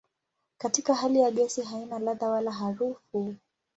Katika hali ya gesi haina ladha wala harufu.